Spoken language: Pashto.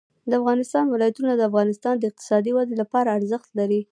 د افغانستان ولايتونه د افغانستان د اقتصادي ودې لپاره ارزښت لري.